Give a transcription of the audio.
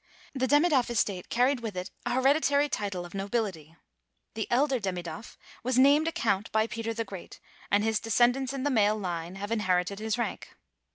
The Demidoff estate carried with it a hereditary title of nobility. The elder Demidoff was named a count by Peter the Great, and his descendants in the male line have inherited his rank.